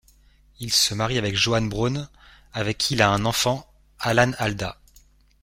Il se marie avec Joan Browne, avec qui il a un enfant, Alan Alda.